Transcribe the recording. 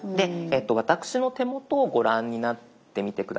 私の手元をご覧になってみて下さい。